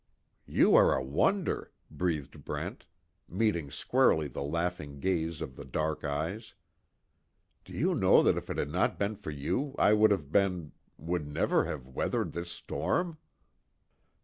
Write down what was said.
"You are a wonder," breathed Brent, meeting squarely the laughing gaze of the dark eyes, "Do you know that if it had not been for you, I would have been would never have weathered this storm?"